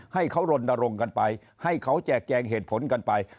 ให้เขารณรงค์กันไปให้เขาแจกแจงเหตุผลกันไป